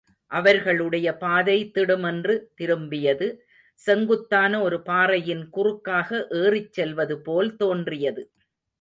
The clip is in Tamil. அவர்களுடைய பாதை திடுமென்று திரும்பியது, செங்குத்தான ஒரு பாறையின் குறுக்காக ஏறிச்செல்வதுபோல் தோன்றியது.